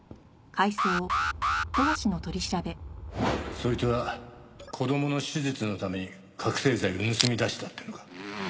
そいつは子供の手術のために覚醒剤を盗み出したっていうのか？